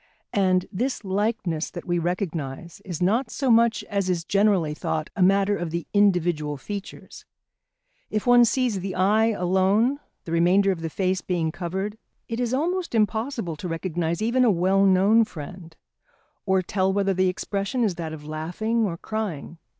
And this likeness that we recognise is not so much as is generally thought a matter of the individual features. If one sees the eye alone, the remainder of the face being covered, it is almost impossible to recognise even a well known friend, or tell whether the expression is that of laughing or crying.